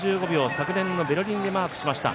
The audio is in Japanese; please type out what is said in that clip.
昨年のベルリンでマークしました、